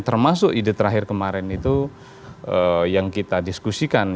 termasuk ide terakhir kemarin itu yang kita diskusikan